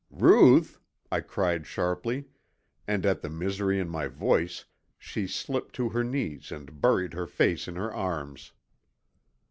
"Ruth!" I cried sharply and at the misery in my voice she slipped to her knees and buried her face in her arms.